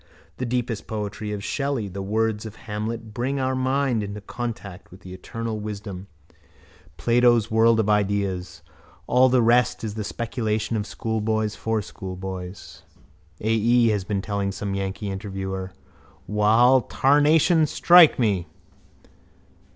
The deepest poetry of Shelley, the words of Hamlet bring our minds into contact with the eternal wisdom, Plato's world of ideas. All the rest is the speculation of schoolboys for schoolboys. A. E. has been telling some yankee interviewer. Wall, tarnation strike me!